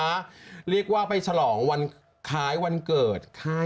หลือว่าไปฉลองวันไข้วันเกิด